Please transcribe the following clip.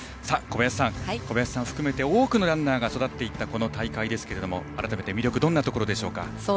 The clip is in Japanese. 小林さん含めて多くのランナーが育っていったこの大会ですが改めて魅力どんなところでしょう。